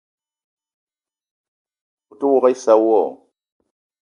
O te ouok issa wo?